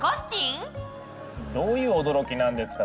どういう驚きなんですか？